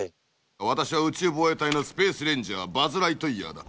私は宇宙防衛隊のスペース・レンジャーバズ・ライトイヤーだ。